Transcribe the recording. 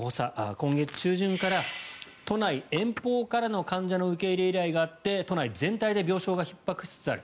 今月中旬から都内遠方からの受け入れ依頼があって都内全体で病床がひっ迫しつつある。